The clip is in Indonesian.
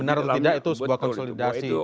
benar atau tidak itu sebuah konsolidasi